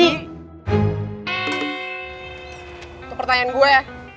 itu pertanyaan gue